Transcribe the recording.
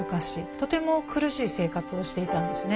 とても苦しい生活をしていたんですね。